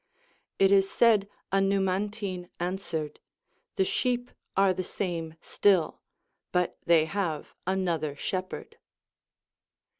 It is said a Numantine answered, The sheep are the same still, but they have another shep herd.